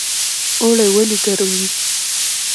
اوړی ولې ګرم وي؟